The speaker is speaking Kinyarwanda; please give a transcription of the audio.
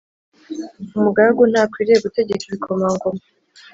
umugaragu ntakwiriye gutegeka ibikomangoma